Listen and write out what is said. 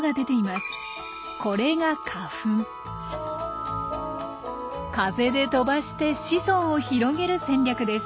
これが風で飛ばして子孫を広げる戦略です。